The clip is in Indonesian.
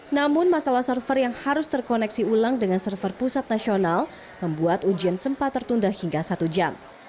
namun masalah server yang harus terkoneksi ulang dengan server pusat nasional membuat ujian sempat tertunda hingga satu jam